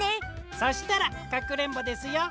そしたらかくれんぼですよ。